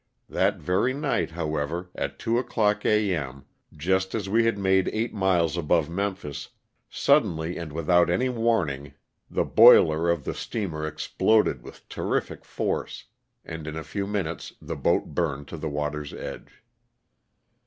That very night, however, at two o'clock a. m., just as we had made eight miles above Memphis, suddenly and without any warning the boiler of the steamer 362 LOSS OF THE SULTANA. exploded with terriffic force, and in a few minutes the boat burned to the water's edge.